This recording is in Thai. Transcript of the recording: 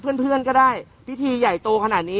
เพื่อนก็ได้พิธีใหญ่โตขนาดนี้